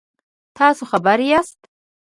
تاسو خبر یاست؟